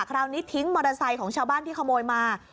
คราวนี้ทิ้งมอเตอร์ไซค์ของชาวบ้านที่ขโมยมา